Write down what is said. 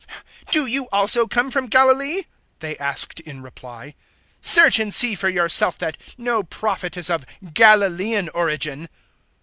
007:052 "Do you also come from Galilee?" they asked in reply. "Search and see for yourself that no Prophet is of Galilaean origin."